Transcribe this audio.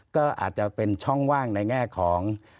ก็อาจจะเป็นช่องว่างในแง่ของ